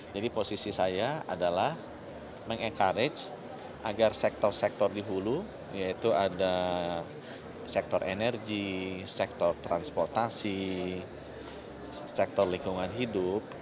jadi posisi saya adalah mencari agar sektor sektor di hulu yaitu ada sektor energi sektor transportasi sektor lingkungan hidup